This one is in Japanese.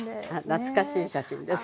懐かしい写真です。